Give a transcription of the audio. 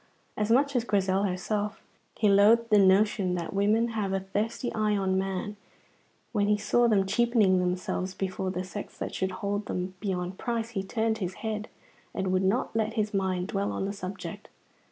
As much as Grizel herself, he loathed the notion that women have a thirsty eye on man; when he saw them cheapening themselves before the sex that should hold them beyond price, he turned his head and would not let his mind dwell on the subject.